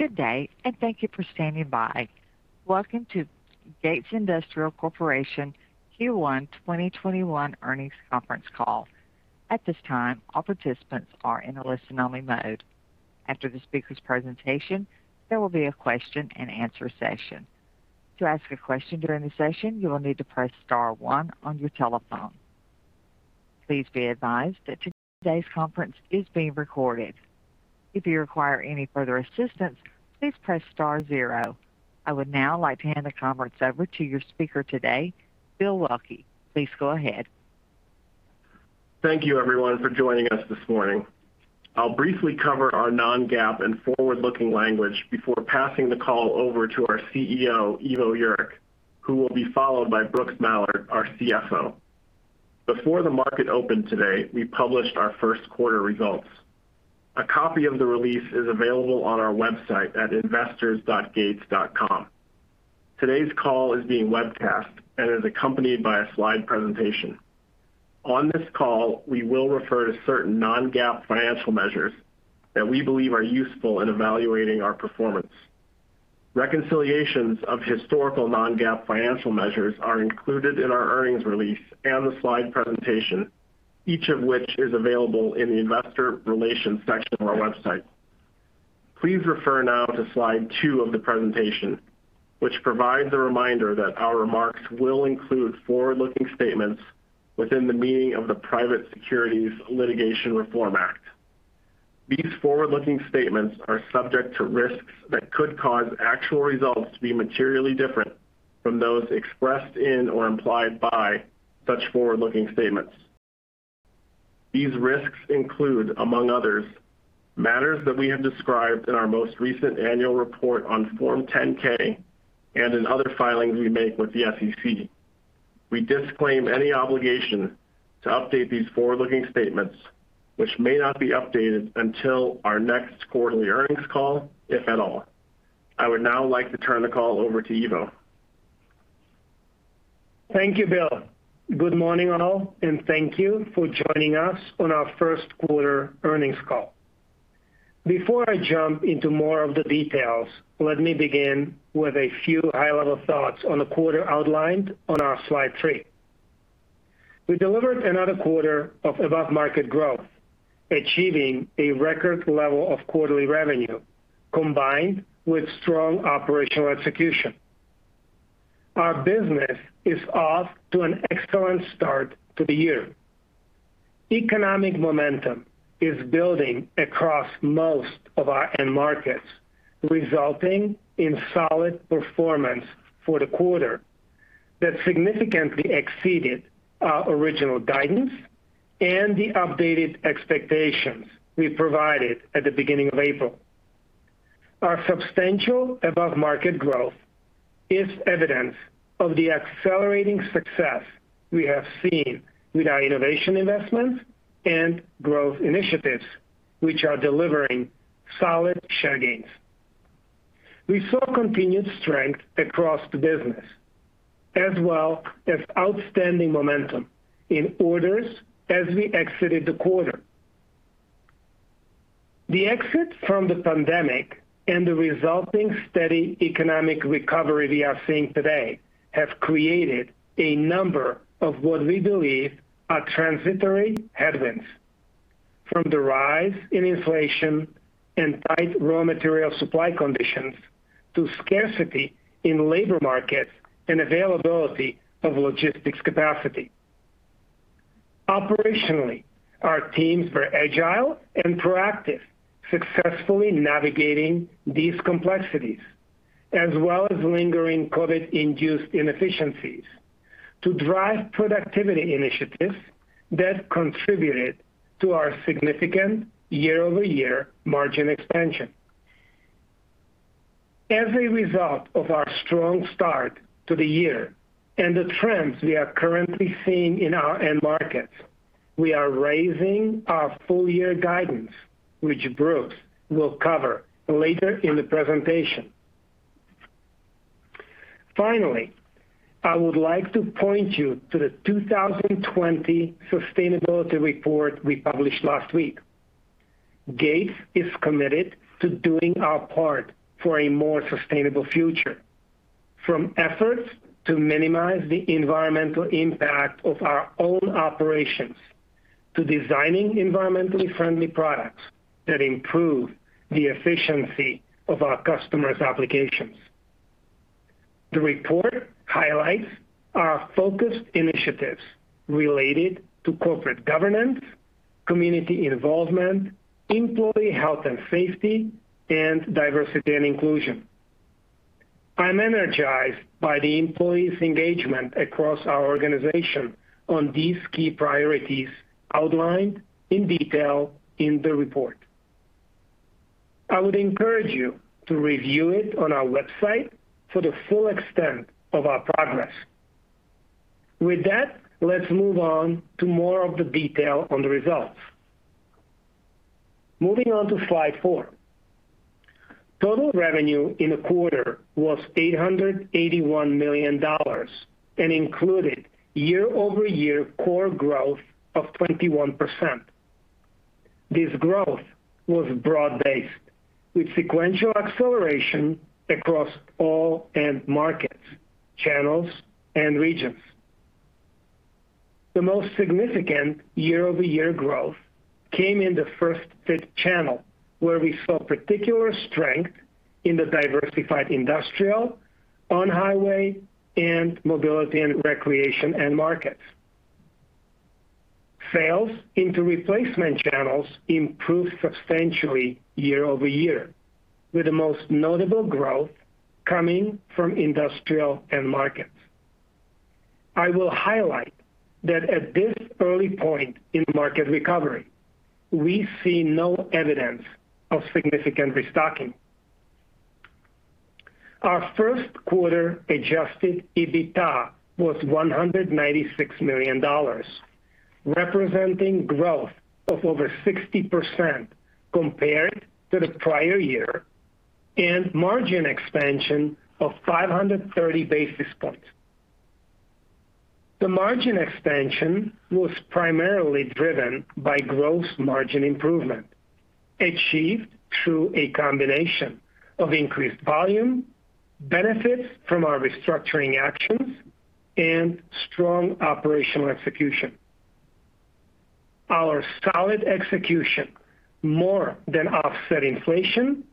Good day, and thank you for standing by. Welcome to Gates Industrial Corporation Q1 2021 Earnings Conference Call. I would now like to hand the conference over to your speaker today, Bill Waelke. Please go ahead. Thank you, everyone, for joining us this morning. I will briefly cover our non-GAAP and forward-looking language before passing the call over to our CEO, Ivo Jurek, who will be followed by Brooks Mallard, our CFO. Before the market opened today, we published our first quarter results. A copy of the release is available on our website at investors.gates.com. Today's call is being webcast and is accompanied by a slide presentation. On this call, we will refer to certain non-GAAP financial measures that we believe are useful in evaluating our performance. Reconciliations of historical non-GAAP financial measures are included in our earnings release and the slide presentation, each of which is available in the investor relations section of our website. Please refer now to slide two of the presentation, which provides a reminder that our remarks will include forward-looking statements within the meaning of the Private Securities Litigation Reform Act. These forward-looking statements are subject to risks that could cause actual results to be materially different from those expressed in or implied by such forward-looking statements. These risks include, among others, matters that we have described in our most recent annual report on Form 10-K and in other filings we make with the SEC. We disclaim any obligation to update these forward-looking statements, which may not be updated until our next quarterly earnings call, if at all. I would now like to turn the call over to Ivo Jurek. Thank you, Bill. Good morning, all, and thank you for joining us on our first quarter earnings call. Before I jump into more of the details, let me begin with a few high-level thoughts on the quarter outlined on our slide three. We delivered another quarter of above-market growth, achieving a record level of quarterly revenue combined with strong operational execution. Our business is off to an excellent start to the year. Economic momentum is building across most of our end markets, resulting in solid performance for the quarter that significantly exceeded our original guidance and the updated expectations we provided at the beginning of April. Our substantial above-market growth is evidence of the accelerating success we have seen with our innovation investments and growth initiatives, which are delivering solid share gains. We saw continued strength across the business, as well as outstanding momentum in orders as we exited the quarter. The exit from the pandemic and the resulting steady economic recovery we are seeing today have created a number of what we believe are transitory headwinds, from the rise in inflation and tight raw material supply conditions to scarcity in labor markets and availability of logistics capacity. Operationally, our teams were agile and proactive, successfully navigating these complexities, as well as lingering COVID-induced inefficiencies to drive productivity initiatives that contributed to our significant year-over-year margin expansion. As a result of our strong start to the year and the trends we are currently seeing in our end markets, we are raising our full-year guidance, which Brooks will cover later in the presentation. Finally, I would like to point you to the 2020 sustainability report we published last week. Gates is committed to doing our part for a more sustainable future. From efforts to minimize the environmental impact of our own operations, to designing environmentally friendly products that improve the efficiency of our customers' applications. The report highlights our focused initiatives related to corporate governance, community involvement, employee health and safety, and diversity and inclusion. I'm energized by the employees' engagement across our organization on these key priorities outlined in detail in the report. I would encourage you to review it on our website for the full extent of our progress. With that, let's move on to more of the detail on the results. Moving on to slide four. Total revenue in the quarter was $881 million and included year-over-year core growth of 21%. This growth was broad-based, with sequential acceleration across all end markets, channels, and regions. The most significant year-over-year growth came in the first-fit channel, where we saw particular strength in the diversified industrial, on-highway, and mobility and recreation end markets. Sales into replacement channels improved substantially year-over-year, with the most notable growth coming from industrial end markets. I will highlight that at this early point in market recovery, we see no evidence of significant restocking. Our first quarter Adjusted EBITDA was $196 million, representing growth of over 60% compared to the prior year, and margin expansion of 530 basis points. The margin expansion was primarily driven by gross margin improvement achieved through a combination of increased volume, benefits from our restructuring actions, and strong operational execution. Our solid execution more than offset inflation,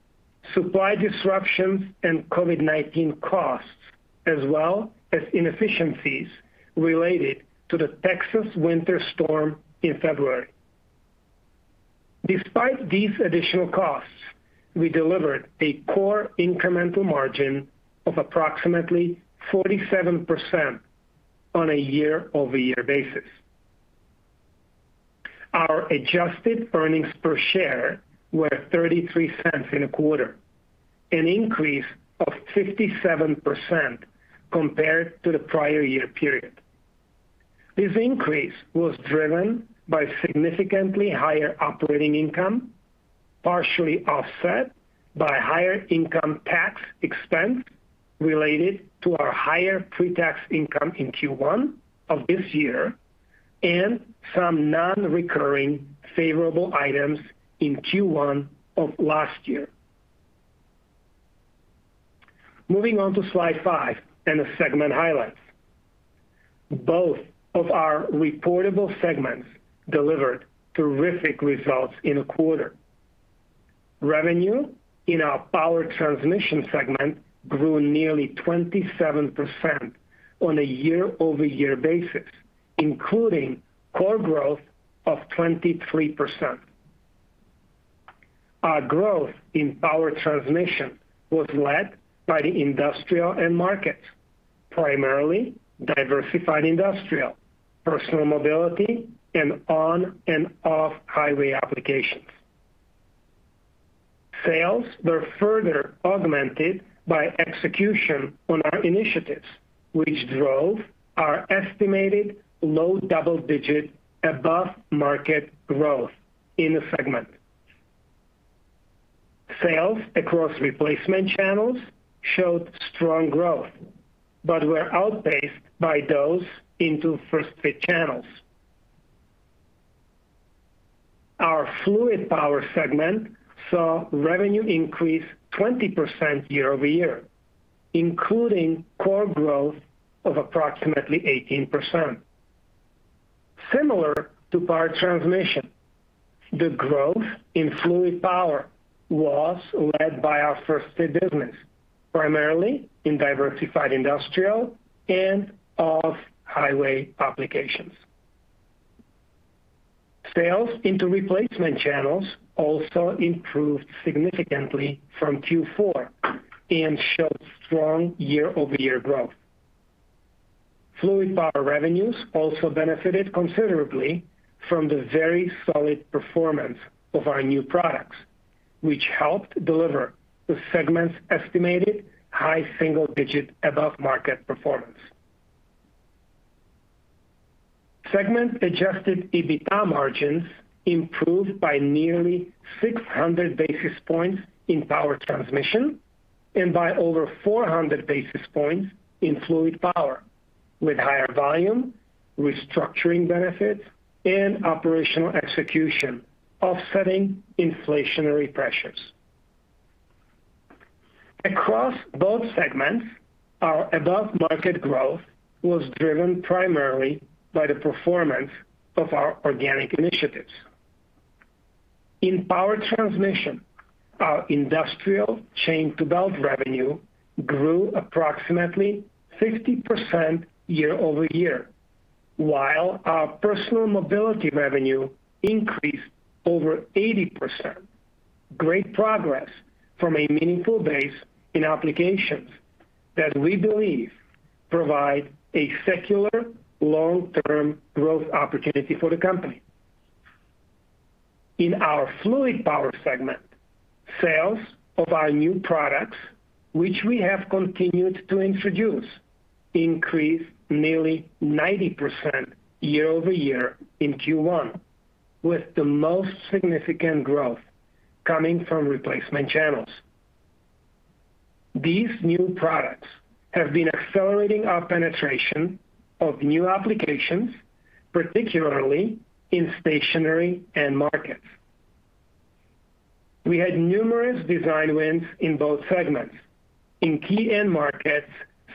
supply disruptions and COVID-19 costs, as well as inefficiencies related to the Texas winter storm in February. Despite these additional costs, we delivered a core incremental margin of approximately 47% on a year-over-year basis. Our adjusted earnings per share were $0.33 in the quarter, an increase of 57% compared to the prior year period. This increase was driven by significantly higher operating income, partially offset by higher income tax expense related to our higher pre-tax income in Q1 of this year, and some non-recurring favorable items in Q1 of last year. Moving on to slide five and the segment highlights. Both of our reportable segments delivered terrific results in the quarter. Revenue in our Power Transmission segment grew nearly 27% on a year-over-year basis, including core growth of 23%. Our growth in Power Transmission was led by the industrial end market, primarily diversified industrial, personal mobility, and on and off highway applications. Sales were further augmented by execution on our initiatives, which drove our estimated low double-digit above-market growth in the segment. Sales across replacement channels showed strong growth but were outpaced by those into first-fit channels. Our Fluid Power segment saw revenue increase 20% year-over-year, including core growth of approximately 18%. Similar to Power Transmission, the growth in Fluid Power was led by our first-fit business, primarily in diversified industrial and off-highway applications. Sales into replacement channels also improved significantly from Q4 and showed strong year-over-year growth. Fluid Power revenues also benefited considerably from the very solid performance of our new products, which helped deliver the segment's estimated high single-digit above-market performance. Segment Adjusted EBITDA margins improved by nearly 600 basis points in Power Transmission and by over 400 basis points in Fluid Power, with higher volume, restructuring benefits, and operational execution offsetting inflationary pressures. Across both segments, our above-market growth was driven primarily by the performance of our organic initiatives. In Power Transmission, our industrial chain to belt revenue grew approximately 50% year-over-year, while our personal mobility revenue increased over 80%. Great progress from a meaningful base in applications that we believe provide a secular long-term growth opportunity for the company. In our Fluid Power segment, sales of our new products, which we have continued to introduce, increased nearly 90% year-over-year in Q1. With the most significant growth coming from replacement channels. These new products have been accelerating our penetration of new applications, particularly in stationary end markets. We had numerous design wins in both segments, in key end markets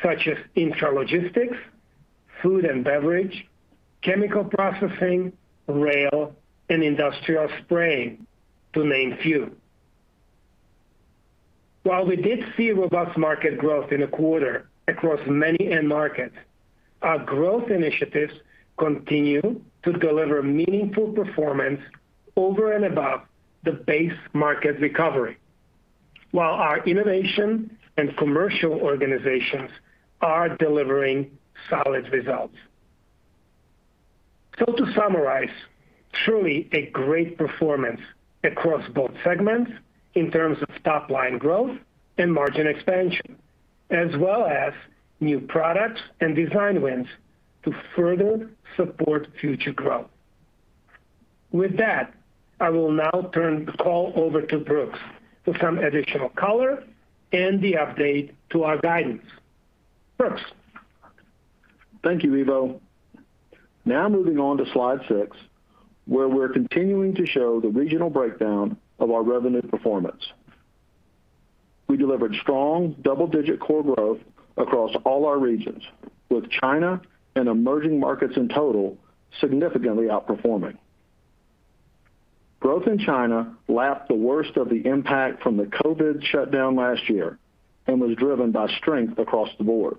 such as intralogistics, food and beverage, chemical processing, rail, and industrial spraying, to name a few. While we did see robust market growth in the quarter across many end markets, our growth initiatives continue to deliver meaningful performance over and above the base market recovery, while our innovation and commercial organizations are delivering solid results. To summarize, truly a great performance across both segments in terms of top-line growth and margin expansion, as well as new products and design wins to further support future growth. With that, I will now turn the call over to Brooks for some additional color and the update to our guidance. Brooks? Thank you, Ivo. Now moving on to slide 6, where we're continuing to show the regional breakdown of our revenue performance. We delivered strong double-digit core growth across all our regions, with China and emerging markets in total significantly outperforming. Growth in China lapped the worst of the impact from the COVID shutdown last year and was driven by strength across the board.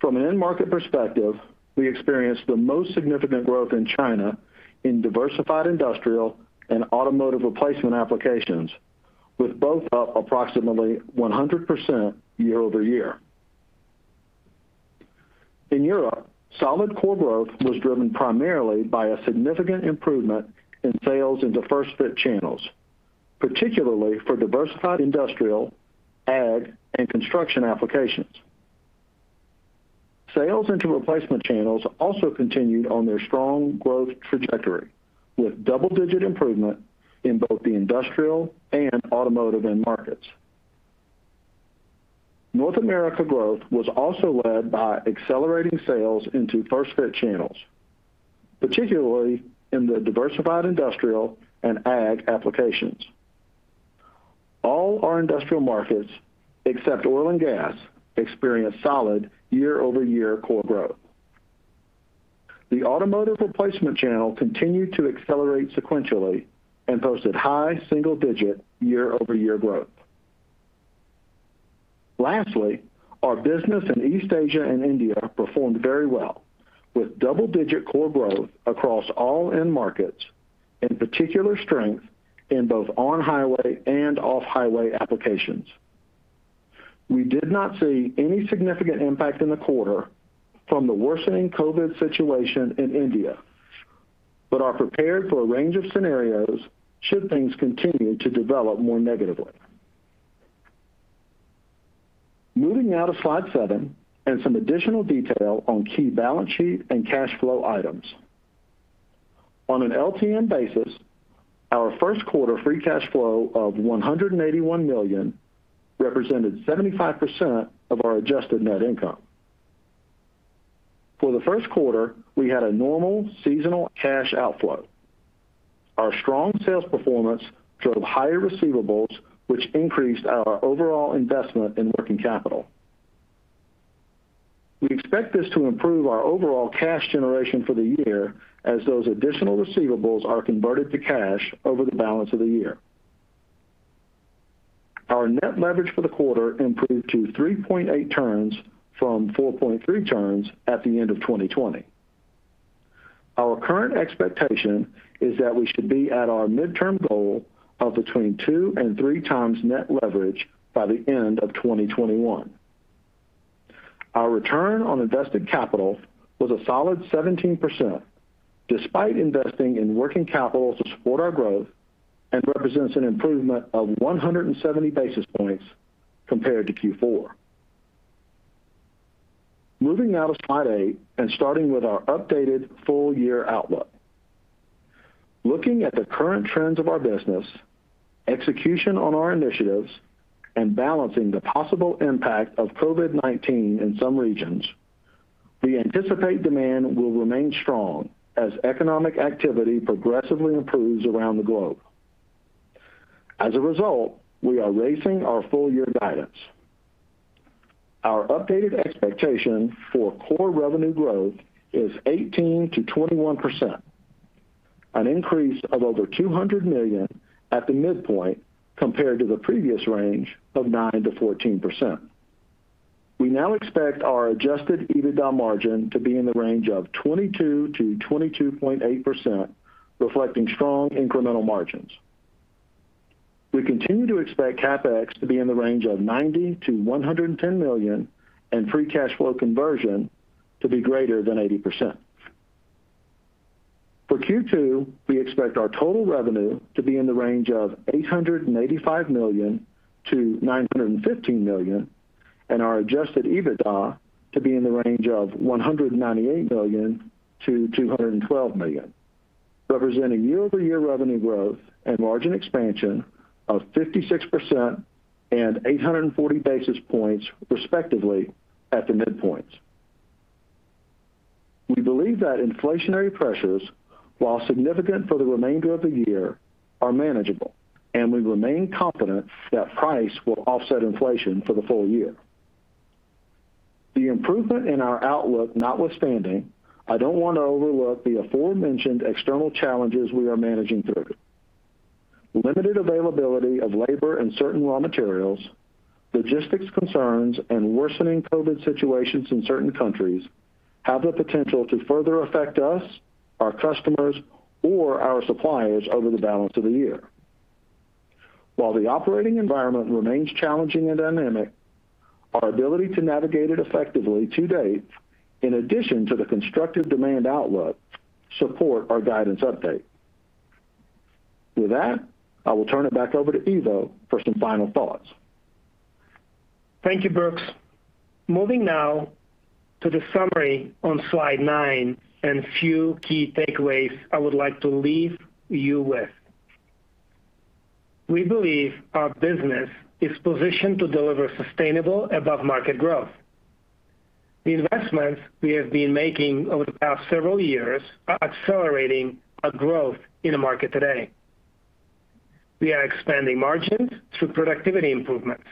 From an end market perspective, we experienced the most significant growth in China in diversified industrial and automotive replacement applications, with both up approximately 100% year-over-year. In Europe, solid core growth was driven primarily by a significant improvement in sales into first-fit channels, particularly for diversified industrial, ag, and construction applications. Sales into replacement channels also continued on their strong growth trajectory, with double-digit improvement in both the industrial and automotive end markets. North America growth was also led by accelerating sales into first-fit channels, particularly in the diversified industrial and ag applications. All our industrial markets, except oil and gas, experienced solid year-over-year core growth. The automotive replacement channel continued to accelerate sequentially and posted high single-digit year-over-year growth. Lastly, our business in East Asia and India performed very well, with double-digit core growth across all end markets, and particular strength in both on-highway and off-highway applications. We did not see any significant impact in the quarter from the worsening COVID situation in India, but are prepared for a range of scenarios should things continue to develop more negatively. Moving now to slide seven and some additional detail on key balance sheet and cash flow items. On an LTM basis, our first quarter free cash flow of $181 million represented 75% of our adjusted net income. For the first quarter, we had a normal seasonal cash outflow. Our strong sales performance drove higher receivables, which increased our overall investment in working capital. We expect this to improve our overall cash generation for the year as those additional receivables are converted to cash over the balance of the year. Our net leverage for the quarter improved to 3.8 times from 4.3 times at the end of 2020. Our current expectation is that we should be at our midterm goal of between two and three times net leverage by the end of 2021. Our return on invested capital was a solid 17%, despite investing in working capital to support our growth, and represents an improvement of 170 basis points compared to Q4. Moving now to slide eight and starting with our updated full year outlook. Looking at the current trends of our business, execution on our initiatives, and balancing the possible impact of COVID-19 in some regions, we anticipate demand will remain strong as economic activity progressively improves around the globe. As a result, we are raising our full year guidance. Our updated expectation for core revenue growth is 18%-21%, an increase of over $200 million at the midpoint compared to the previous range of 9%-14%. We now expect our Adjusted EBITDA margin to be in the range of 22%-22.8%, reflecting strong incremental margins. We continue to expect CapEx to be in the range of $90 million-$110 million, and free cash flow conversion to be greater than 80%. For Q2, we expect our total revenue to be in the range of $885 million-$915 million. Our Adjusted EBITDA to be in the range of $198 million-$212 million, representing year-over-year revenue growth and margin expansion of 56% and 840 basis points respectively at the midpoints. We believe that inflationary pressures, while significant for the remainder of the year, are manageable, and we remain confident that price will offset inflation for the full year. The improvement in our outlook notwithstanding, I don't want to overlook the aforementioned external challenges we are managing through. Limited availability of labor and certain raw materials, logistics concerns, and worsening COVID situations in certain countries have the potential to further affect us, our customers, or our suppliers over the balance of the year. While the operating environment remains challenging and dynamic, our ability to navigate it effectively to date, in addition to the constructive demand outlook, support our guidance update. With that, I will turn it back over to Ivo for some final thoughts. Thank you, Brooks. Moving now to the summary on slide nine and a few key takeaways I would like to leave you with. We believe our business is positioned to deliver sustainable above-market growth. The investments we have been making over the past several years are accelerating our growth in the market today. We are expanding margins through productivity improvements.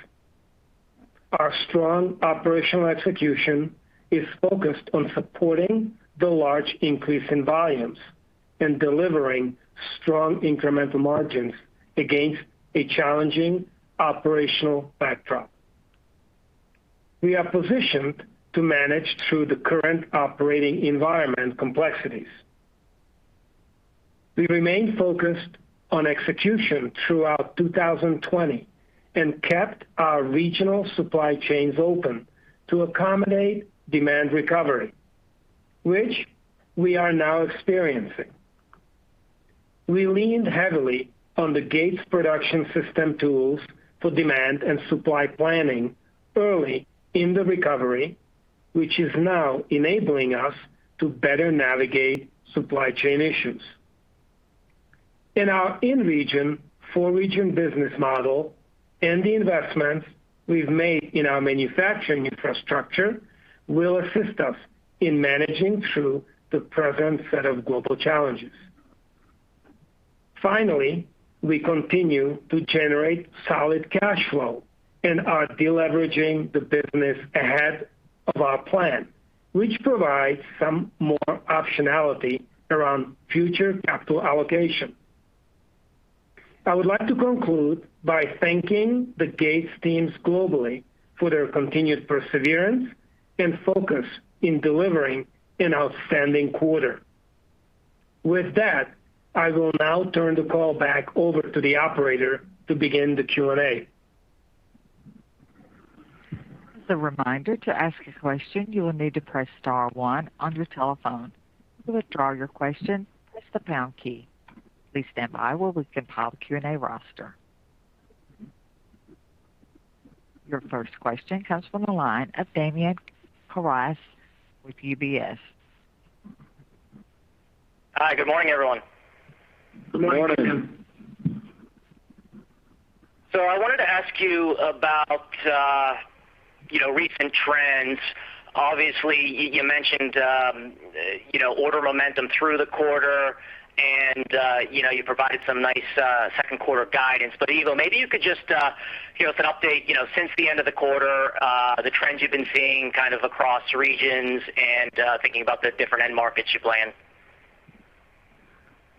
Our strong operational execution is focused on supporting the large increase in volumes and delivering strong incremental margins against a challenging operational backdrop. We are positioned to manage through the current operating environment complexities. We remained focused on execution throughout 2020 and kept our regional supply chains open to accommodate demand recovery, which we are now experiencing. We leaned heavily on the Gates Production System tools for demand and supply planning early in the recovery, which is now enabling us to better navigate supply chain issues. In our in-region, for-region business model and the investments we've made in our manufacturing infrastructure will assist us in managing through the present set of global challenges. Finally, we continue to generate solid cash flow and are de-leveraging the business ahead of our plan, which provides some more optionality around future capital allocation. I would like to conclude by thanking the Gates teams globally for their continued perseverance and focus in delivering an outstanding quarter. With that, I will now turn the call back over to the operator to begin the Q&A. As a reminder, to ask a question, you will need to press star one on your telephone. To withdraw your question, press the pound key. Please stand by while we compile the Q&A roster. Your first question comes from the line of Damian Karas with UBS. Hi. Good morning, everyone. Good morning. Good morning. I wanted to ask you about recent trends. Obviously, you mentioned order momentum through the quarter and you provided some nice second quarter guidance. Ivo, maybe you could just give us an update since the end of the quarter, the trends you've been seeing kind of across regions and thinking about the different end markets you play in.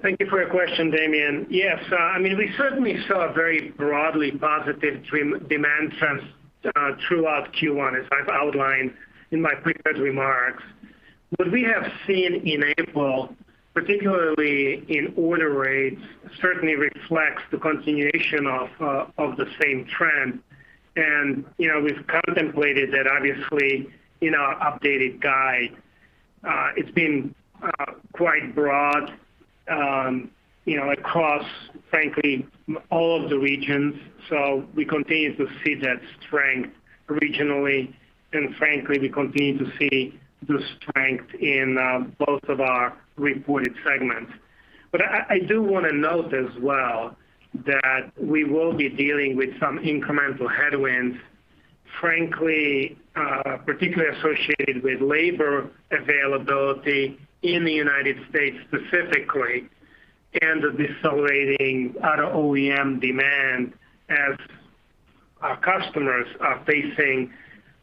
Thank you for your question, Damian. Yes. We certainly saw a very broadly positive demand trend throughout Q1, as I've outlined in my prepared remarks. What we have seen in April, particularly in order rates, certainly reflects the continuation of the same trend. We've contemplated that obviously in our updated guide. It's been quite broad across, frankly, all of the regions. We continue to see that strength regionally, and frankly, we continue to see the strength in both of our reported segments. I do want to note as well that we will be dealing with some incremental headwinds, frankly, particularly associated with labor availability in the United States specifically and the decelerating auto OEM demand as our customers are facing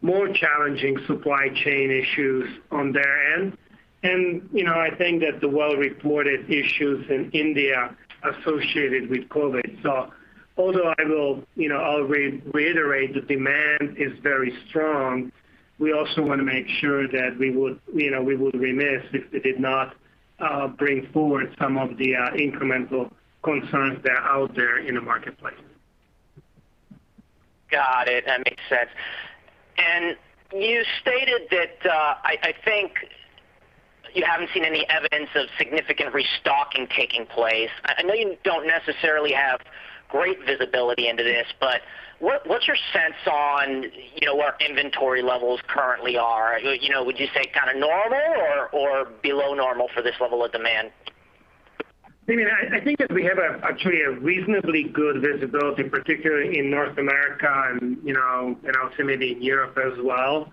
more challenging supply chain issues on their end. I think that the well-reported issues in India associated with COVID. Although I'll reiterate the demand is very strong, we also want to make sure that we would remiss if we did not bring forward some of the incremental concerns that are out there in the marketplace. Got it. That makes sense. You stated that you haven't seen any evidence of significant restocking taking place. I know you don't necessarily have great visibility into this, but what's your sense on where inventory levels currently are? Would you say kind of normal or below normal for this level of demand? I think that we have actually a reasonably good visibility, particularly in North America and also maybe in Europe as well.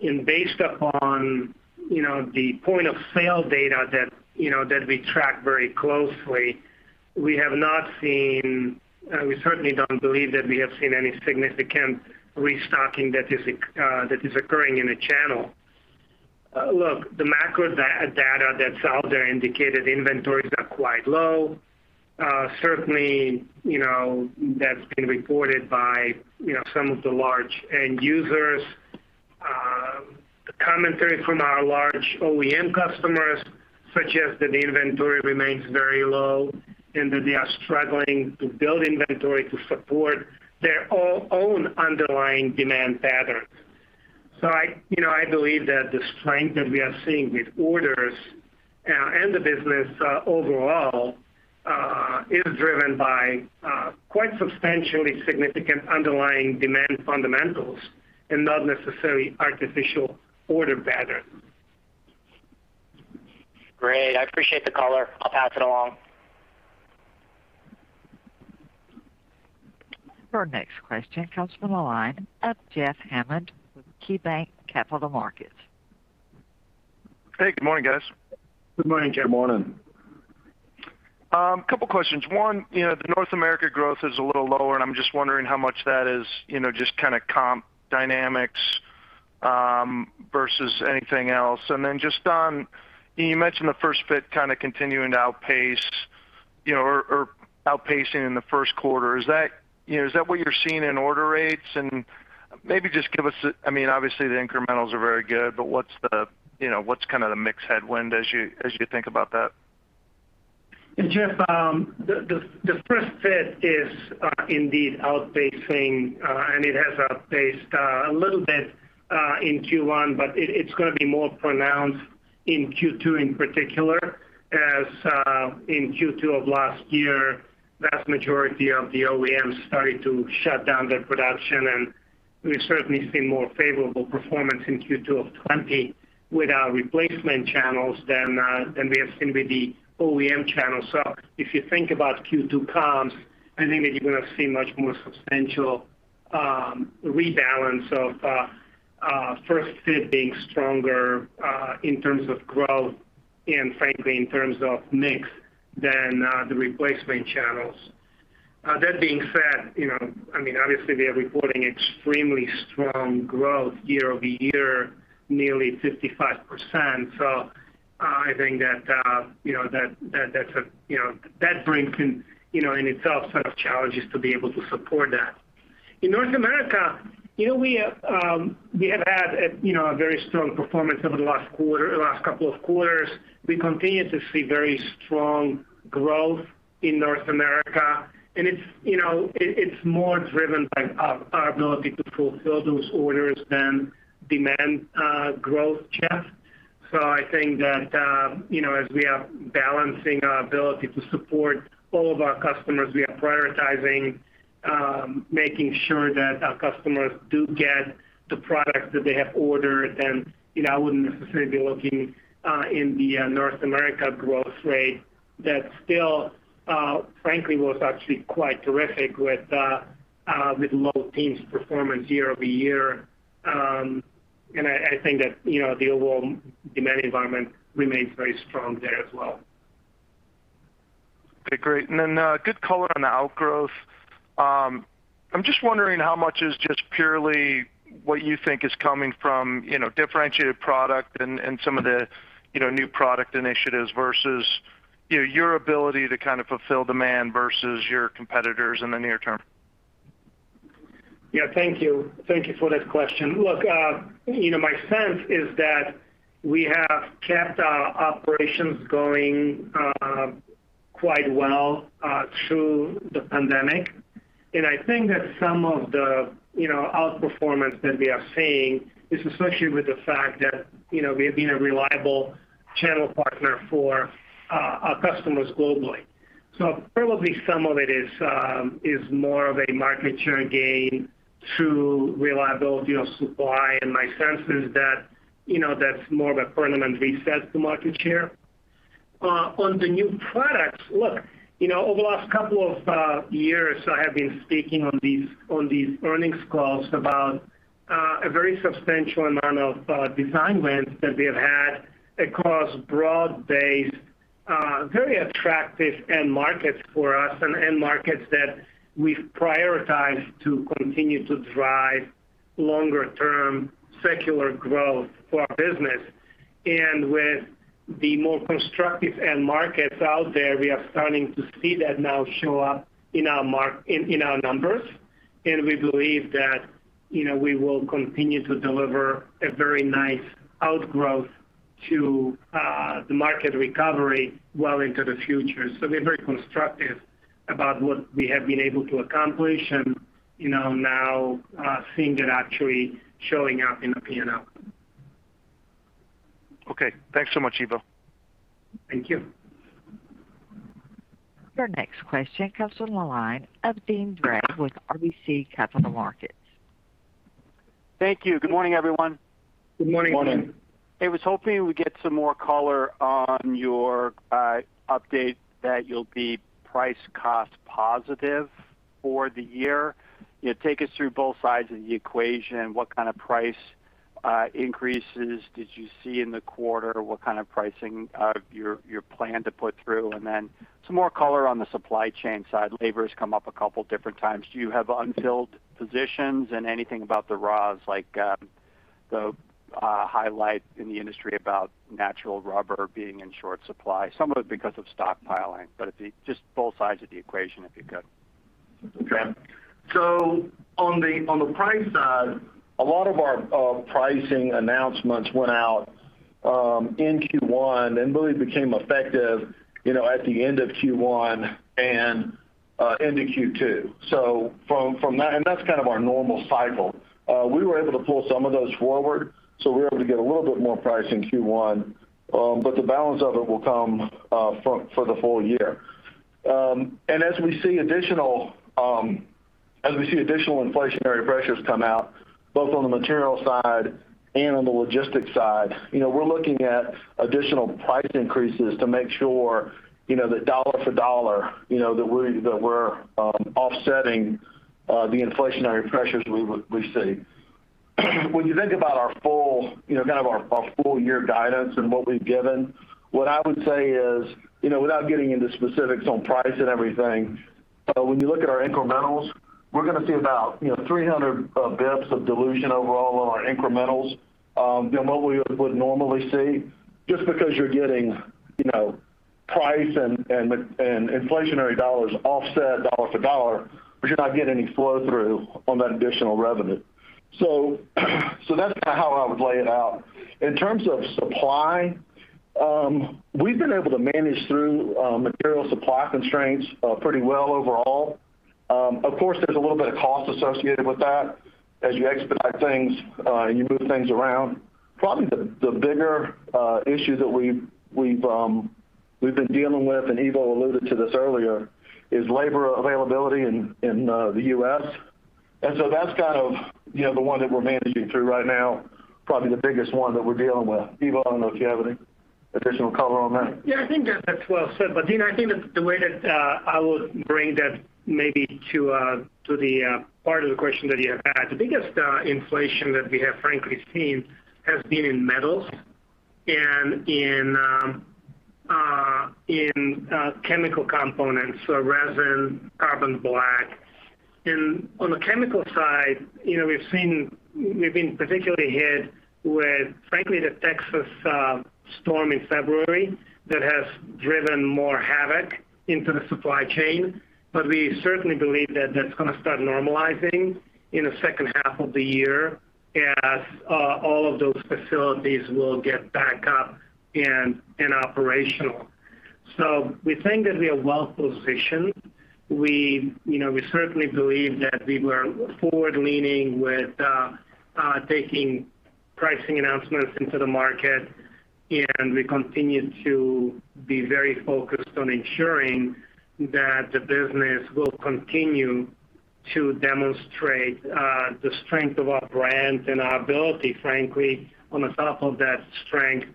Based upon the point of sale data that we track very closely, we certainly don't believe that we have seen any significant restocking that is occurring in the channel. Look, the macro data that's out there indicated inventories are quite low. Certainly, that's been reported by some of the large end users. Commentary from our large OEM customers suggest that the inventory remains very low and that they are struggling to build inventory to support their own underlying demand patterns. I believe that the strength that we are seeing with orders and the business overall, is driven by quite substantially significant underlying demand fundamentals and not necessarily artificial order patterns. Great. I appreciate the color. I'll pass it along. Our next question comes from the line of Jeffrey Hammond with KeyBanc Capital Markets. Hey, good morning, guys. Good morning, Jeff. Good morning. Couple questions. One, the North America growth is a little lower. I'm just wondering how much that is just kind of comp dynamics versus anything else. You mentioned the first fit kind of continuing to outpace or outpacing in the first quarter. Is that what you're seeing in order rates? Obviously, the incrementals are very good. What's kind of the mix headwind as you think about that? Jeff, the first fit is indeed outpacing. It has outpaced a little bit in Q1. It's going to be more pronounced in Q2, in particular, as in Q2 of last year, vast majority of the OEMs started to shut down their production, and we've certainly seen more favorable performance in Q2 of 2020 with our replacement channels than we have seen with the OEM channels. If you think about Q2 comps, I think that you're going to see much more substantial rebalance of first fit being stronger in terms of growth and frankly, in terms of mix than the replacement channels. That being said, obviously we are reporting extremely strong growth year-over-year, nearly 55%. I think that brings in itself set of challenges to be able to support that. In North America, we have had a very strong performance over the last couple of quarters. We continue to see very strong growth in North America, and it's more driven by our ability to fulfill those orders than demand growth, Jeff. I think that as we are balancing our ability to support all of our customers, we are prioritizing making sure that our customers do get the product that they have ordered. I wouldn't necessarily be looking in the North America growth rate that still, frankly, was actually quite terrific with low teens performance year-over-year. I think that the overall demand environment remains very strong there as well. Okay, great. Good color on the outgrowth. I'm just wondering how much is just purely what you think is coming from differentiated product and some of the new product initiatives versus your ability to kind of fulfill demand versus your competitors in the near term? Yeah, thank you. Thank you for that question. Look, my sense is that we have kept our operations going quite well through the pandemic. I think that some of the outperformance that we are seeing is associated with the fact that we have been a reliable channel partner for our customers globally. Probably some of it is more of a market share gain through reliability of supply, and my sense is that's more of a permanent reset to market share. On the new products, look, over the last couple of years, I have been speaking on these earnings calls about a very substantial amount of design wins that we have had across broad-based, very attractive end markets for us and end markets that we've prioritized to continue to drive longer-term secular growth for our business. With the more constructive end markets out there, we are starting to see that now show up in our numbers. We believe that we will continue to deliver a very nice outgrowth to the market recovery well into the future. We're very constructive about what we have been able to accomplish and now seeing it actually showing up in the P&L. Okay. Thanks so much, Ivo. Thank you. Your next question comes from the line of Deane Dray with RBC Capital Markets. Thank you. Good morning, everyone. Good morning. Morning. I was hoping we'd get some more color on your update that you'll be price-cost positive for the year. Take us through both sides of the equation. What kind of price increases did you see in the quarter? What kind of pricing you plan to put through? Some more color on the supply chain side. Labor has come up a couple different times. Do you have unfilled positions? Anything about the raws, like the highlight in the industry about natural rubber being in short supply, some of it because of stockpiling. Just both sides of the equation, if you could. Okay. On the price side, a lot of our pricing announcements went out in Q1 and really became effective at the end of Q1 and into Q2. That's kind of our normal cycle. We were able to pull some of those forward, so we were able to get a little bit more price in Q1. The balance of it will come for the full year. As we see additional inflationary pressures come out, both on the material side and on the logistics side, we're looking at additional price increases to make sure that dollar for dollar, that we're offsetting the inflationary pressures we see. When you think about our full year guidance and what we've given, what I would say is, without getting into specifics on price and everything, when you look at our incrementals, we're going to see about 300 basis points of dilution overall on our incrementals than what we would normally see, just because you're getting price and inflationary dollars offset dollar for dollar, but you're not getting any flow-through on that additional revenue. That's how I would lay it out. In terms of supply, we've been able to manage through material supply constraints pretty well overall. Of course, there's a little bit of cost associated with that as you expedite things and you move things around. Probably the bigger issue that we've been dealing with, and Ivo alluded to this earlier, is labor availability in the U.S. That's the one that we're managing through right now, probably the biggest one that we're dealing with. Ivo, I don't know if you have any additional color on that. Yeah, I think that's well said. Deane, I think that the way that I would bring that maybe to the part of the question that you have had. The biggest inflation that we have frankly seen has been in metals and in chemical components, so resin, carbon black. On the chemical side, we've been particularly hit with, frankly, the Texas storm in February that has driven more havoc into the supply chain. We certainly believe that that's going to start normalizing in the second half of the year as all of those facilities will get back up and operational. We think that we are well-positioned. We certainly believe that we were forward-leaning with taking pricing announcements into the market, and we continue to be very focused on ensuring that the business will continue to demonstrate the strength of our brand and our ability, frankly, on the top of that strength,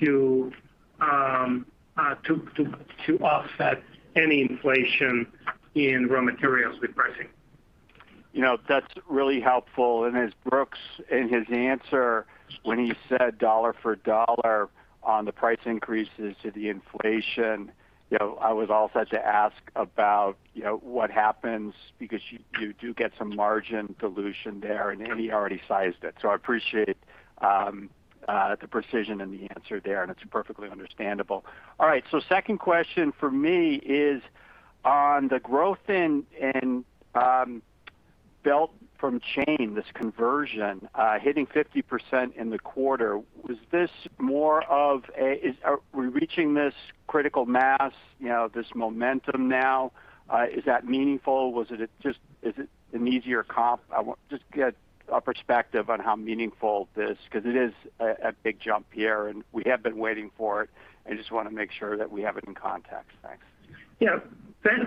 to offset any inflation in raw materials with pricing. That's really helpful. As Brooks, in his answer, when he said dollar for dollar on the price increases to the inflation, I was all set to ask about what happens because you do get some margin dilution there, and he already sized it. I appreciate the precision in the answer there, and it's perfectly understandable. All right. Second question from me is on the growth in chain to belt, this conversion hitting 50% in the quarter. Are we reaching this critical mass, this momentum now? Is that meaningful? Is it an easier comp? I want just to get a perspective on how meaningful this because it is a big jump here, and we have been waiting for it. I just want to make sure that we have it in context. Thanks. Yeah.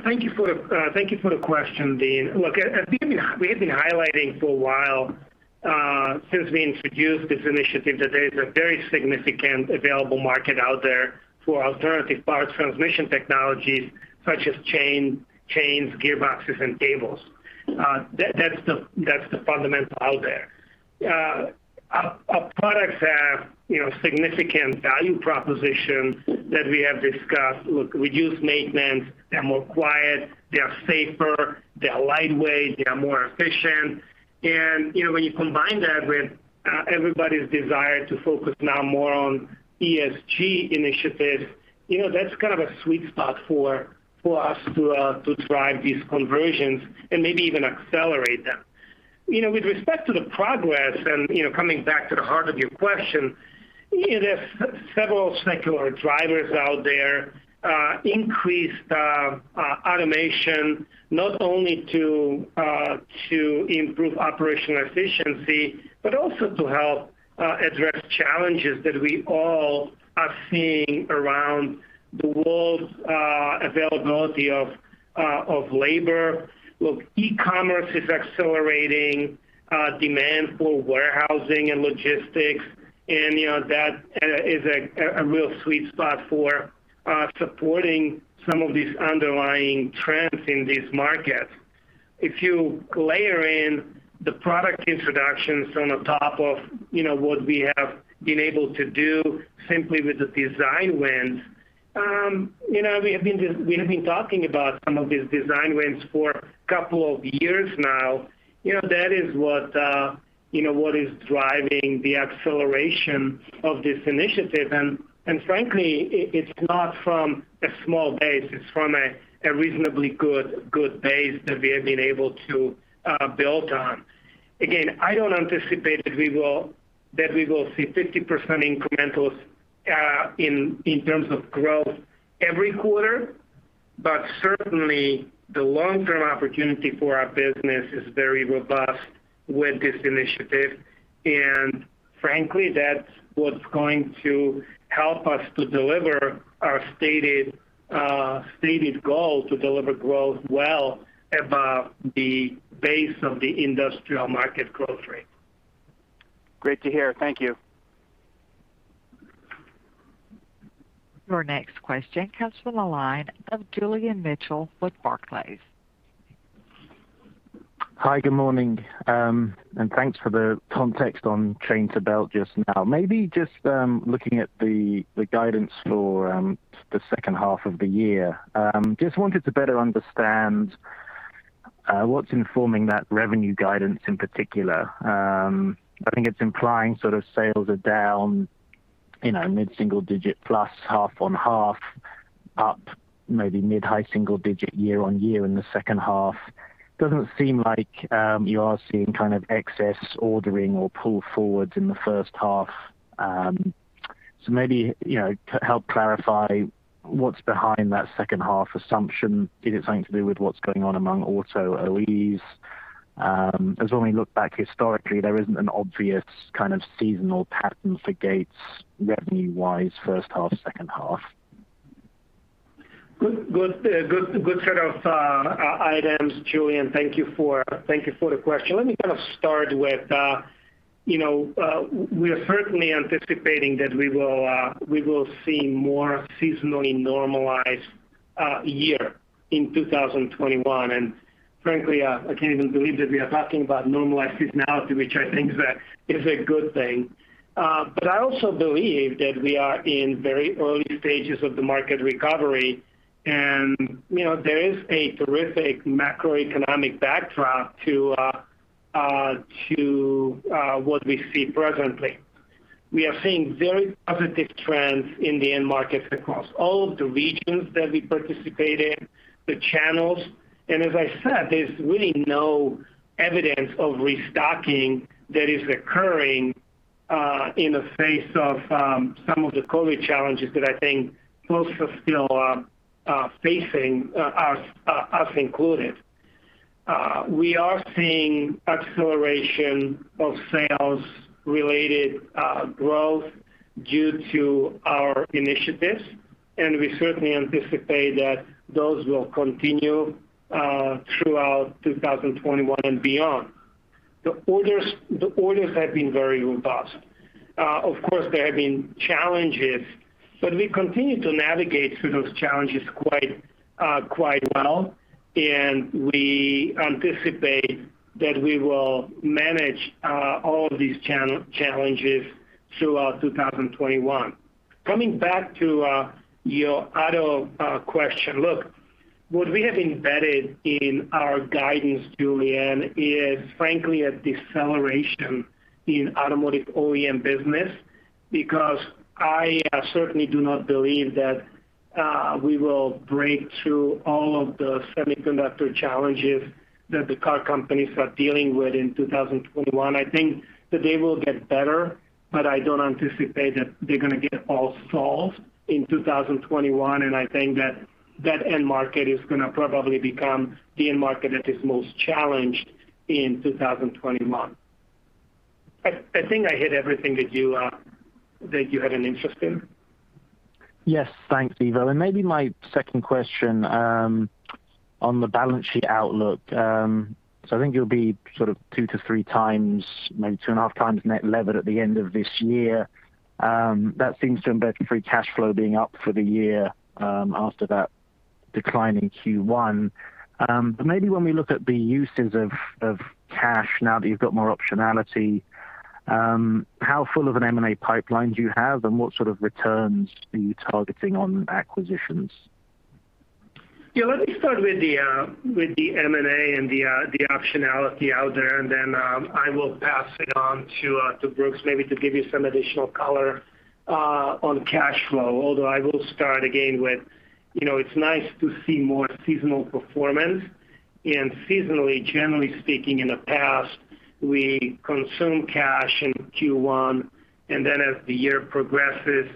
Thank you for the question, Deane. Look, we have been highlighting for a while, since we introduced this initiative, that there is a very significant available market out there for alternative power transmission technologies such as chains, gearboxes, and cables. That's the fundamental out there. Our products have significant value proposition that we have discussed. Look, reduced maintenance, they're more quiet, they're safer, they're lightweight, they're more efficient. When you combine that with everybody's desire to focus now more on ESG initiatives, that's kind of a sweet spot for us to drive these conversions and maybe even accelerate them. With respect to the progress, coming back to the heart of your question, there's several secular drivers out there, increased automation, not only to improve operational efficiency, but also to help address challenges that we all are seeing around the world, availability of labor. Look, e-commerce is accelerating demand for warehousing and logistics, and that is a real sweet spot for supporting some of these underlying trends in these markets. If you layer in the product introductions on the top of what we have been able to do simply with the design wins. We have been talking about some of these design wins for a couple of years now. That is what is driving the acceleration of this initiative. Frankly, it's not from a small base, it's from a reasonably good base that we have been able to build on. Again, I don't anticipate that we will see 50% incrementals in terms of growth every quarter, but certainly the long-term opportunity for our business is very robust with this initiative. Frankly, that's what's going to help us to deliver our stated goal to deliver growth well above the base of the industrial market growth rate. Great to hear. Thank you. Your next question comes from the line of Julian Mitchell with Barclays. Hi, good morning. Thanks for the context on chain to belt just now. Maybe just looking at the guidance for the second half of the year. Just wanted to better understand what's informing that revenue guidance in particular. I think it's implying sort of sales are down, mid-single digit plus half-on-half up, maybe mid-high single digit year-on-year in the second half. Doesn't seem like you are seeing kind of excess ordering or pull forwards in the first half. Maybe, help clarify what's behind that second half assumption. Is it something to do with what's going on among auto OEMs? When we look back historically, there isn't an obvious kind of seasonal pattern for Gates revenue-wise, first half, second half. Good set of items, Julian. Thank you for the question. Let me start with, we are certainly anticipating that we will see more seasonally normalized year in 2021. Frankly, I can't even believe that we are talking about normalized seasonality, which I think is a good thing. I also believe that we are in very early stages of the market recovery, and there is a terrific macroeconomic backdrop to what we see presently. We are seeing very positive trends in the end markets across all of the regions that we participate in, the channels, and as I said, there's really no evidence of restocking that is occurring in the face of some of the COVID challenges that I think most are still facing, us included. We are seeing acceleration of sales-related growth due to our initiatives, and we certainly anticipate that those will continue throughout 2021 and beyond. The orders have been very robust. Of course, there have been challenges, but we continue to navigate through those challenges quite well, and we anticipate that we will manage all of these challenges throughout 2021. Coming back to your auto question. Look, what we have embedded in our guidance, Julian, is frankly a deceleration in automotive OEM business because I certainly do not believe that we will break through all of the semiconductor challenges that the car companies are dealing with in 2021. I think that they will get better, but I don't anticipate that they're going to get all solved in 2021, and I think that that end market is going to probably become the end market that is most challenged in 2021. I think I hit everything that you had an interest in. Yes. Thanks, Ivo. Maybe my second question on the balance sheet outlook. I think you'll be sort of 2-3 times, maybe 2.5 times net levered at the end of this year. That seems to embed free cash flow being up for the year, after that decline in Q1. Maybe when we look at the uses of cash now that you've got more optionality, how full of an M&A pipeline do you have, and what sort of returns are you targeting on acquisitions? Yeah. Let me start with the M&A and the optionality out there, and then I will pass it on to Brooks, maybe to give you some additional color on cash flow. Although I will start again with, it's nice to see more seasonal performance. Seasonally, generally speaking, in the past, we consume cash in Q1, then as the year progresses,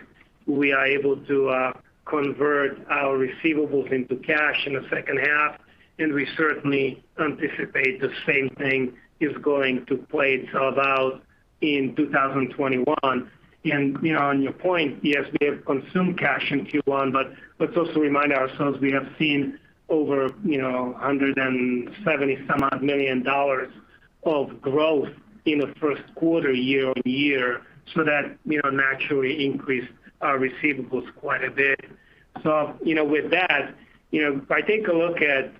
we are able to convert our receivables into cash in the second half, and we certainly anticipate the same thing is going to play itself out in 2021. On your point, yes, we have consumed cash in Q1, let's also remind ourselves we have seen over $170-some-odd million of growth in the first quarter year-over-year, that naturally increased our receivables quite a bit. With that, if I take a look at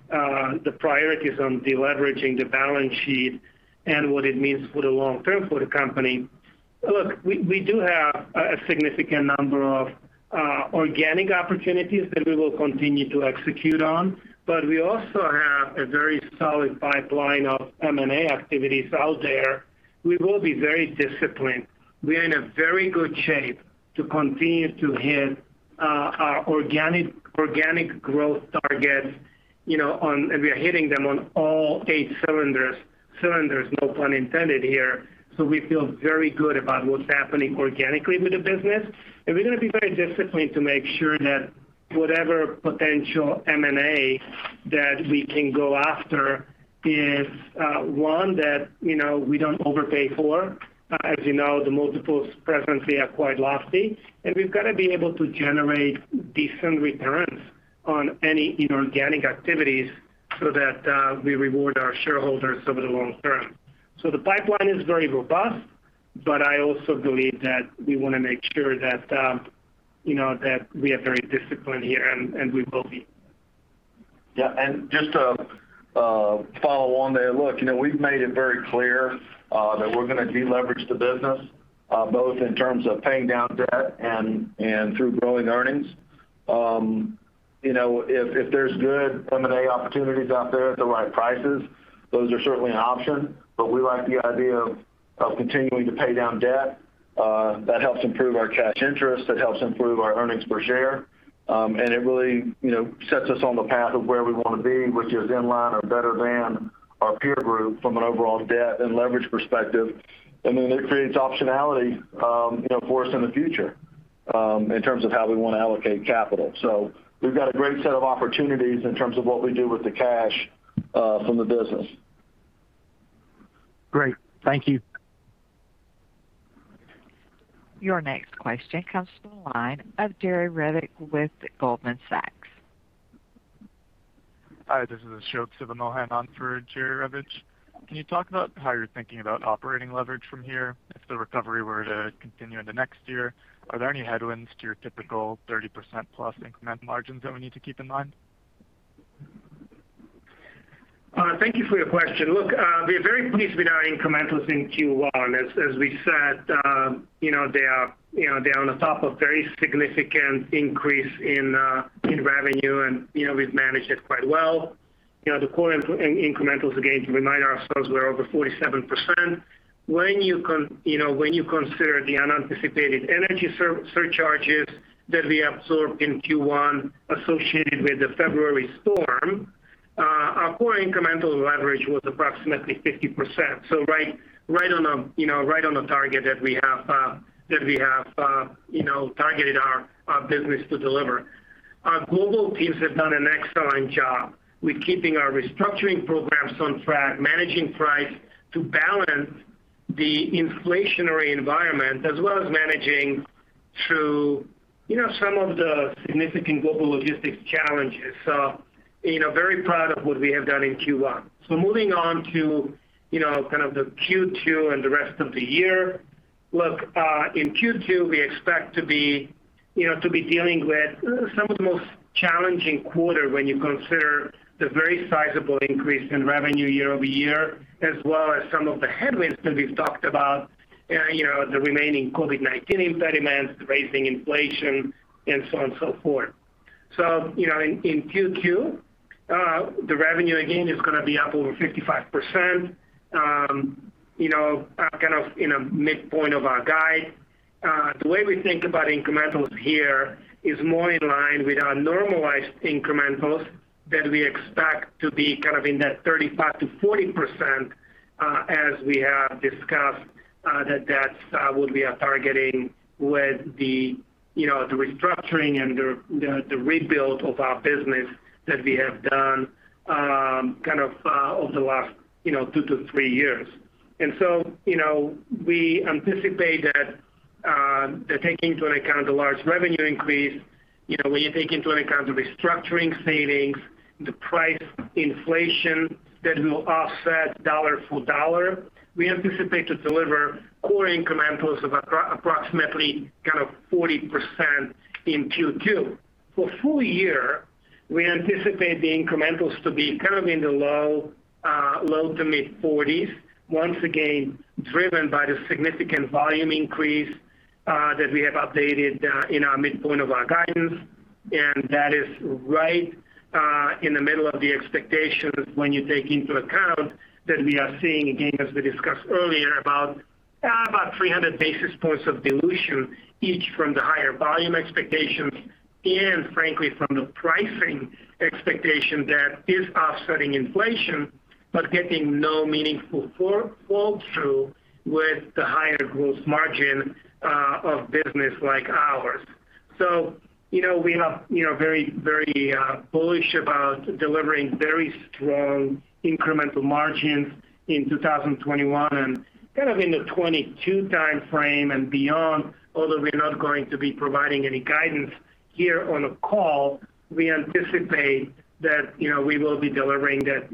the priorities on de-leveraging the balance sheet and what it means for the long term for the company. We do have a significant number of organic opportunities that we will continue to execute on, but we also have a very solid pipeline of M&A activities out there. We will be very disciplined. We are in a very good shape to continue to hit our organic growth targets, and we are hitting them on all eight cylinders. No pun intended here. We feel very good about what's happening organically with the business, and we're going to be very disciplined to make sure that whatever potential M&A that we can go after is one that we don't overpay for. As you know, the multiples presently are quite lofty, and we've got to be able to generate decent returns on any inorganic activities so that we reward our shareholders over the long term. The pipeline is very robust, but I also believe that we want to make sure that we are very disciplined here, and we will be. Yeah. Just to follow on there. Look, we've made it very clear that we're going to de-leverage the business both in terms of paying down debt and through growing earnings. If there's good M&A opportunities out there at the right prices, those are certainly an option. We like the idea of continuing to pay down debt. That helps improve our cash interest, that helps improve our earnings per share. It really sets us on the path of where we want to be, which is in line or better than our peer group from an overall debt and leverage perspective. It creates optionality for us in the future in terms of how we want to allocate capital. We've got a great set of opportunities in terms of what we do with the cash from the business. Great. Thank you. Your next question comes from the line of Jerry Revich with Goldman Sachs. Hi, this is Ashok Sivamohan on for Jerry Revich. Can you talk about how you're thinking about operating leverage from here if the recovery were to continue into next year? Are there any headwinds to your typical 30%-plus incremental margins that we need to keep in mind? Thank you for your question. Look, we are very pleased with our incrementals in Q1. As we said, they are on the top of very significant increase in revenue, and we've managed it quite well. The core incrementals, again, to remind ourselves, were over 47%. When you consider the unanticipated energy surcharges that we absorbed in Q1 associated with the February storm, our core incremental leverage was approximately 50%. Right on the target that we have targeted our business to deliver. Our global teams have done an excellent job with keeping our restructuring programs on track, managing price to balance the inflationary environment, as well as managing through some of the significant global logistics challenges. Very proud of what we have done in Q1. Moving on to kind of the Q2 and the rest of the year. In Q2, we expect to be dealing with some of the most challenging quarter when you consider the very sizable increase in revenue year-over-year, as well as some of the headwinds that we've talked about. The remaining COVID-19 impediments, the raising inflation, and so on and so forth. In Q2, the revenue again, is going to be up over 55%, kind of in a midpoint of our guide. The way we think about incrementals here is more in line with our normalized incrementals that we expect to be kind of in that 35%-40%, as we have discussed, that will be our targeting with the restructuring and the rebuild of our business that we have done kind of over the last two to three years. We anticipate that taking into account the large revenue increase, when you take into account the restructuring savings, the price inflation that will offset dollar for dollar, we anticipate to deliver core incrementals of approximately 40% in Q2. For full year, we anticipate the incrementals to be kind of in the low to mid 40s. Once again, driven by the significant volume increase that we have updated in our midpoint of our guidance. That is right in the middle of the expectations when you take into account that we are seeing, again, as we discussed earlier, about 300 basis points of dilution each from the higher volume expectations and frankly, from the pricing expectation that is offsetting inflation, but getting no meaningful fall through with the higher gross margin of business like ours. We are very bullish about delivering very strong incremental margins in 2021. Kind of in the 2022 timeframe and beyond, although we're not going to be providing any guidance here on the call, we anticipate that we will be delivering that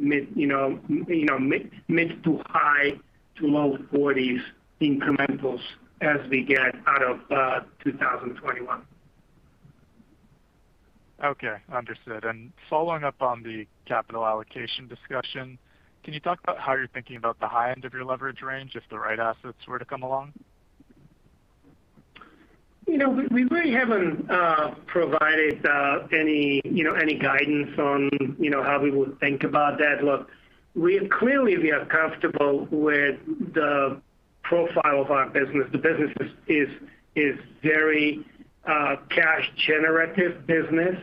mid to high to low 40's incrementals as we get out of 2021. Okay. Understood. Following up on the capital allocation discussion, can you talk about how you're thinking about the high end of your leverage range, if the right assets were to come along? We really haven't provided any guidance on how we would think about that. Look, clearly, we are comfortable with the profile of our business. The business is very cash-generative business.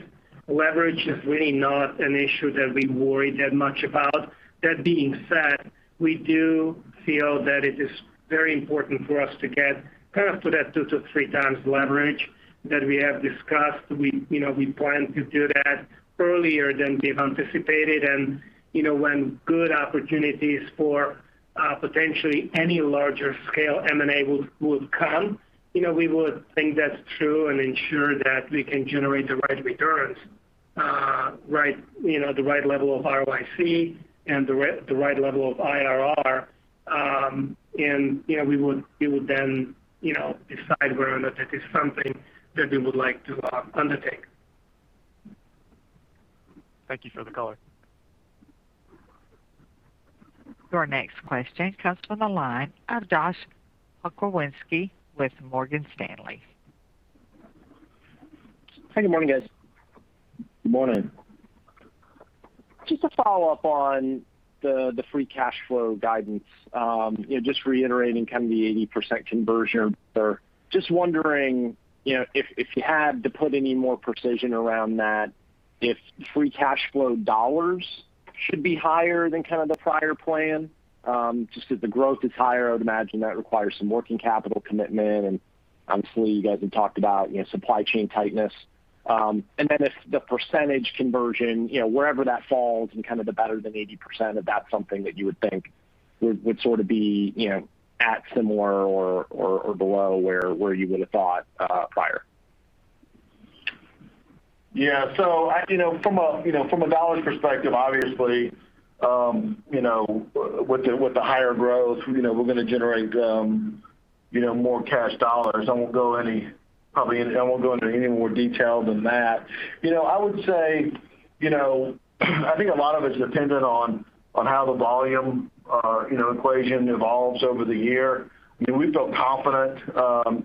Leverage is really not an issue that we worry that much about. That being said, we do feel that it is very important for us to get kind of to that 2 to 3 times leverage that we have discussed. We plan to do that earlier than we have anticipated, when good opportunities for potentially any larger scale M&A would come, we would think that through and ensure that we can generate the right returns, the right level of ROIC, and the right level of IRR. We would then decide whether or not that is something that we would like to undertake. Thank you for the color. Your next question comes from the line of Josh Pokrzywinski with Morgan Stanley. Hey, good morning, guys. Good morning. To follow up on the free cash flow guidance. Reiterating kind of the 80% conversion there. Wondering if you had to put any more precision around that, if free cash flow dollars should be higher than kind of the prior plan? If the growth is higher, I would imagine that requires some working capital commitment, and obviously you guys have talked about supply chain tightness. If the percentage conversion, wherever that falls in kind of the better than 80%, if that's something that you would think would sort of be at similar or below where you would have thought prior? Yeah. From a dollar perspective, obviously, with the higher growth, we're going to generate more cash dollars. I won't go into any more detail than that. I would say, I think a lot of it is dependent on how the volume equation evolves over the year. We feel confident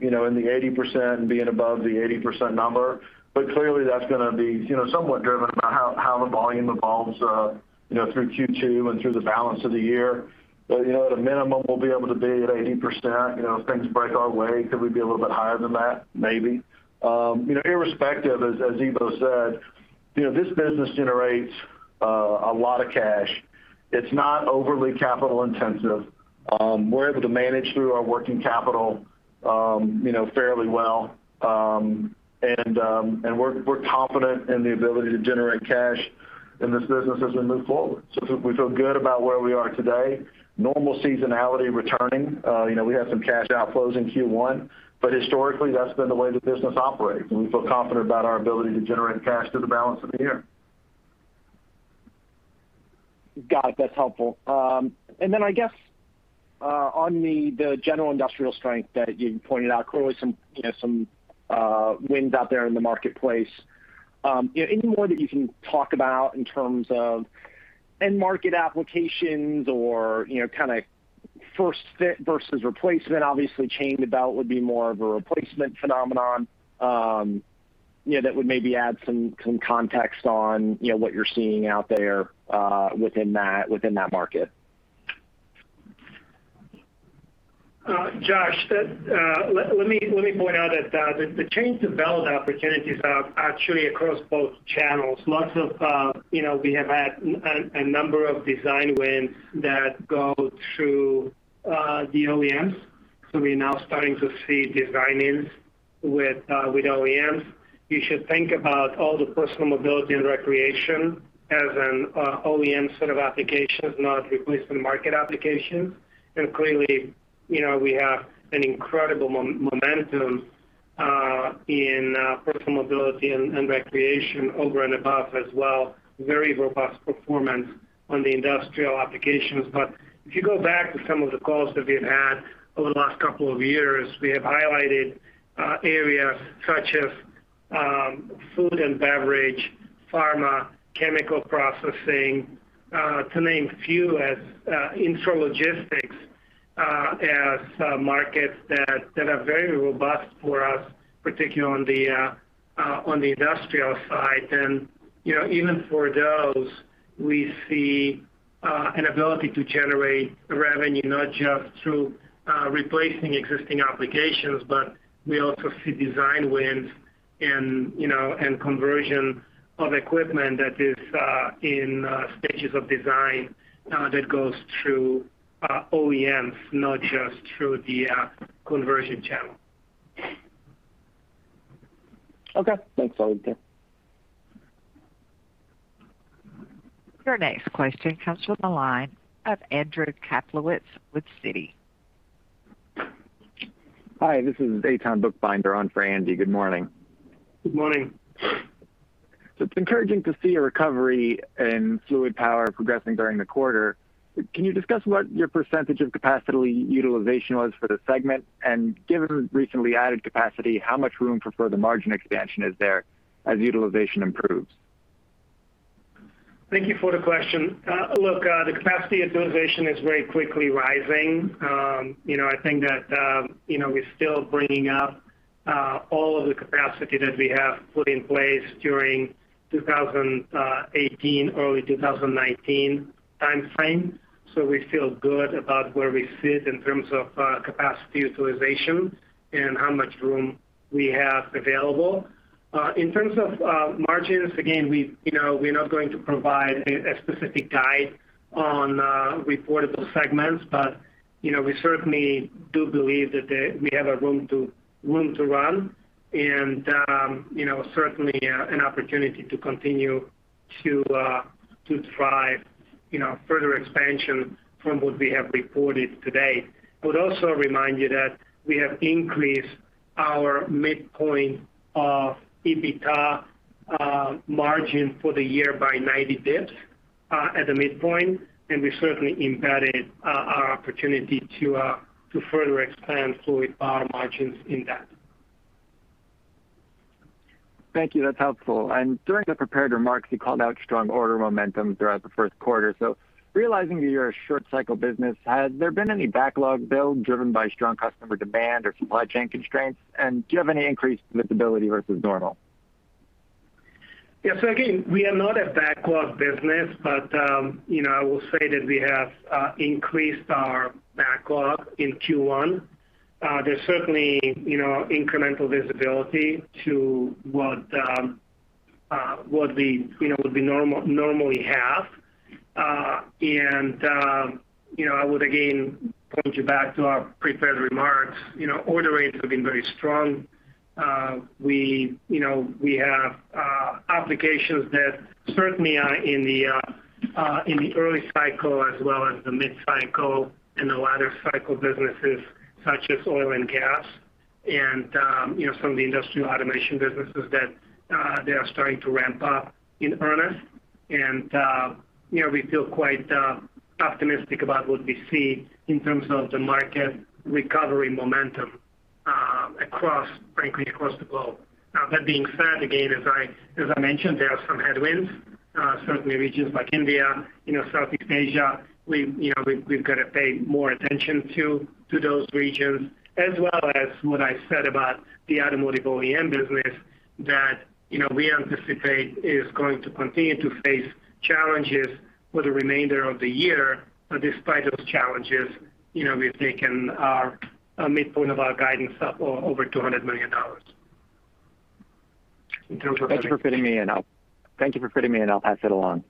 in the 80% and being above the 80% number. Clearly, that's going to be somewhat driven by how the volume evolves through Q2 and through the balance of the year. At a minimum, we'll be able to be at 80%. If things break our way, could we be a little bit higher than that? Maybe. Irrespective, as Ivo said, this business generates a lot of cash. It's not overly capital intensive. We're able to manage through our working capital fairly well. We're confident in the ability to generate cash in this business as we move forward. We feel good about where we are today. Normal seasonality returning. We have some cash outflows in Q1. Historically, that's been the way the business operates, and we feel confident about our ability to generate cash through the balance of the year. Got it. That's helpful. Then I guess, on the general industrial strength that you pointed out, clearly some wins out there in the marketplace. Anything more that you can talk about in terms of end market applications or kind of first fit versus replacement? Obviously, chain to belt would be more of a replacement phenomenon. That would maybe add some context on what you're seeing out there within that market. Josh, let me point out that the chain-to-belt opportunities are actually across both channels. We have had a number of design wins that go through the OEMs, so we're now starting to see design-ins with OEMs. You should think about all the personal mobility and recreation as an OEM sort of application, not a replacement market application. Clearly, we have an incredible momentum in personal mobility and recreation over and above as well. Very robust performance on the industrial applications. If you go back to some of the calls that we've had over the last couple of years, we have highlighted areas such as food and beverage, pharma, chemical processing, to name a few, as intralogistics as markets that are very robust for us, particularly on the industrial side. Even for those, we see an ability to generate revenue not just through replacing existing applications, but we also see design wins and conversion of equipment that is in stages of design that goes through OEMs, not just through the conversion channel. Okay. Thanks a lot, Ivo. Your next question comes from the line of Andrew Kaplowitz with Citi. Hi, this is Eitan Buchbinder on for Andy. Good morning. Good morning. It's encouraging to see a recovery in Fluid Power progressing during the quarter. Can you discuss what your percentage of capacity utilization was for the segment? Given the recently added capacity, how much room for further margin expansion is there as utilization improves? Thank you for the question. The capacity utilization is very quickly rising. I think that we're still bringing up all of the capacity that we have put in place during 2018, early 2019 timeframe. We feel good about where we sit in terms of capacity utilization and how much room we have available. In terms of margins, again, we're not going to provide a specific guide on reportable segments. We certainly do believe that we have a room to run and certainly an opportunity to continue to drive further expansion from what we have reported today. I would also remind you that we have increased our midpoint of EBITDA margin for the year by 90 bps at the midpoint, and we certainly embedded our opportunity to further expand Fluid Power margins in that. Thank you. That's helpful. During the prepared remarks, you called out strong order momentum throughout the first quarter. Realizing that you're a short cycle business, has there been any backlog build driven by strong customer demand or supply chain constraints? Do you have any increased visibility versus normal? Yeah. Again, we are not a backlog business, but I will say that we have increased our backlog in Q1. There's certainly incremental visibility to what we normally have. I would again point you back to our prepared remarks. Order rates have been very strong. We have applications that certainly are in the early cycle as well as the mid-cycle and the latter cycle businesses such as oil and gas and some of the industrial automation businesses that they are starting to ramp up in earnest. We feel quite optimistic about what we see in terms of the market recovery momentum frankly, across the globe. That being said, again, as I mentioned, there are some headwinds. Certainly regions like India, Southeast Asia, we've got to pay more attention to those regions as well as what I said about the Automotive OEM business that we anticipate is going to continue to face challenges for the remainder of the year. Despite those challenges, we've taken our midpoint of our guidance up over $200 million. Thank you for fitting me in. I'll pass it along.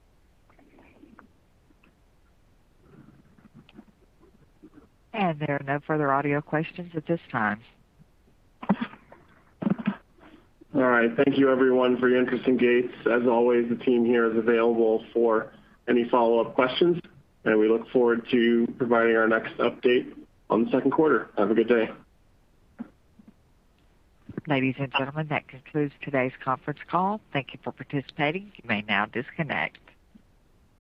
There are no further audio questions at this time. All right. Thank you everyone for your interest in Gates. As always, the team here is available for any follow-up questions, and we look forward to providing our next update on the second quarter. Have a good day. Ladies and gentlemen, that concludes today's conference call. Thank you for participating. You may now disconnect.